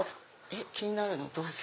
気になるのどうぞ。